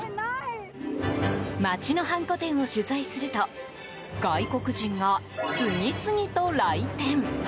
町のハンコ店を取材すると外国人が次々と来店。